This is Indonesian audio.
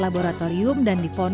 dan menjalani perawatan di rshs bandung